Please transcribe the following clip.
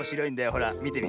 ほらみてみ。